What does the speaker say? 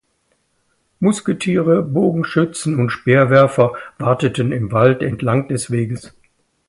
Musketiere, Bogenschützen und Speerwerfer warteten im Wald entlang des Weges.